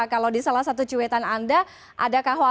kalau di salah satu cuetan anda adakah khawatir